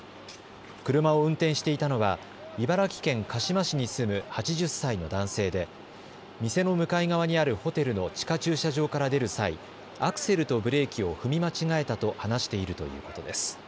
車を運転していたのは茨城県鹿嶋市に住む８０歳の男性で店の向かい側にあるホテルの地下駐車場から出る際、アクセルとブレーキを踏み間違えたと話しているということです。